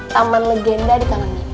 taman legenda di taman ini